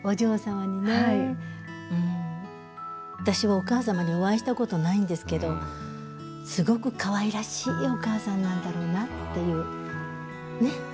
お母様にお会いしたことないんですけどすごくかわいらしいお母さんなんだろうなっていう。ね？